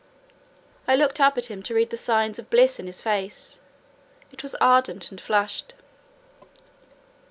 I looked up at him to read the signs of bliss in his face: it was ardent and flushed.